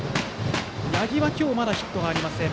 八木は今日まだヒットありません。